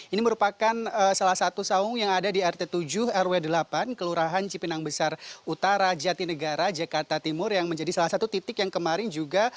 ini merupakan salah satu saung yang ada di rt tujuh rw delapan kelurahan cipinang besar utara jatinegara jakarta timur yang menjadi salah satu titik yang kemarin juga